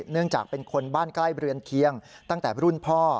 เนื่องจากเป็นคนบ้านใกล้เรือนเคียงตั้งแต่รุ่นพ่อ